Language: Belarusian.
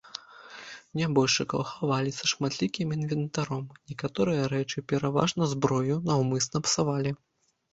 Нябожчыкаў хавалі са шматлікім інвентаром, некаторыя рэчы, пераважна зброю, наўмысна псавалі.